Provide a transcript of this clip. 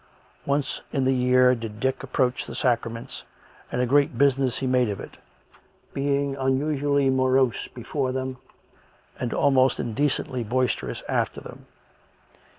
Once in the year did Dick approach the sacraments, and a great business he made of it, being unusually morose be 68 COME RACK! COME ROPE! fore them and almost indecently boisterous after them.